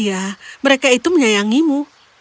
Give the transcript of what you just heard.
ya mereka itu menyayangimu